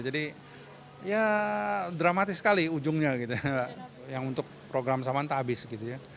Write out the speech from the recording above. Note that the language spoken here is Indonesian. jadi ya dramatis sekali ujungnya gitu ya yang untuk program samanta habis gitu ya